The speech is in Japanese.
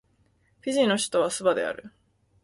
フィジーの首都はスバである